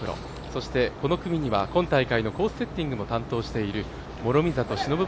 そして、この組にはコースセッティングも担当している諸見里しのぶ